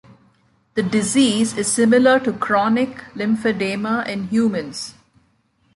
The disease is similar to chronic lymphedema in humans.